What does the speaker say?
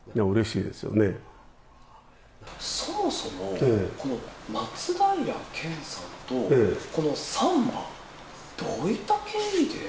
そもそも、この松平健さんと、このサンバ、どういった経緯で？